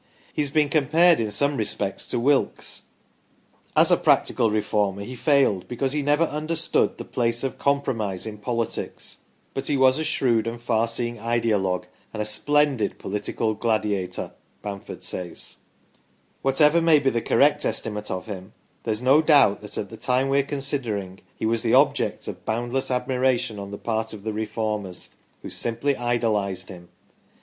He has been compared in some respects to Wilkes. " As a practical Reformer he failed because he never understood the place of compromise in politics, but he was a shrewd and far seeing ideologue and a splendid political gladiator." Whatever may be the correct estimate of him there is no doubt that at the time we are considering he was the object of boundless admiration on the part of the Reformers, who simply idolised him.